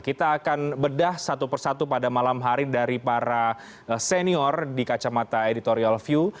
kita akan bedah satu persatu pada malam hari dari para senior di kacamata editorial view